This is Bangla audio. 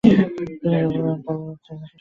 তিনি বল্লভাচার্যের শিষ্যত্ব গ্রহণ করেন।